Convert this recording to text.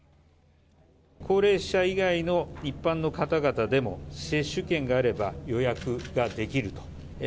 高齢者以外の一般の方々でも、接種券があれば予約ができると。